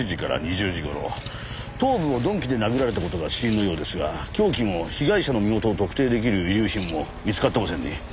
頭部を鈍器で殴られた事が死因のようですが凶器も被害者の身元を特定出来る遺留品も見つかってませんね。